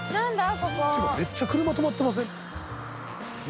ここてかめっちゃ車止まってません？